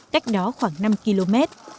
cách đó khoảng năm km